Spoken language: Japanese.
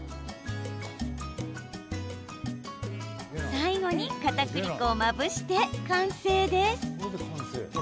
最後に、かたくり粉をまぶして完成です。